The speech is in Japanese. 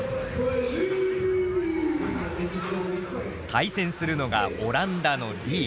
対戦するのがオランダのＬｅｅ。